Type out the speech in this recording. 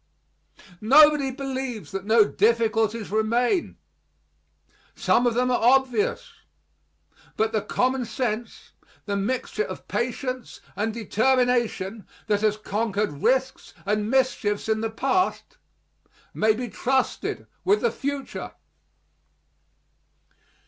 Nobody believes that no difficulties remain. Some of them are obvious. But the common sense, the mixture of patience and determination that has conquered risks and mischiefs in the past, may be trusted with the future.